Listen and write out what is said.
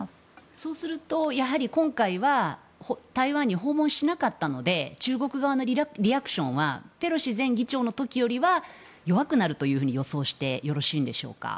そうすると、やはり今回は台湾に訪問しなかったので中国側のリアクションはペロシ前議長の時よりは弱くなるというふうに予想してよろしいんでしょうか。